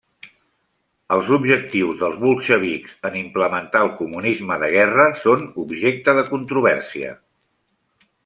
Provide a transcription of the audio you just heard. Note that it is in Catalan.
Els objectius dels Bolxevics en implementar el comunisme de guerra són objecte de controvèrsia.